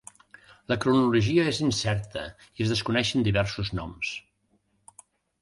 La cronologia és incerta i es desconeixen diversos noms.